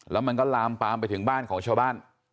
แล้วมันก็ลามปามไปถึงบ้านของชาวบ้าน